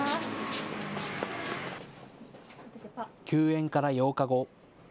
休園から８日後。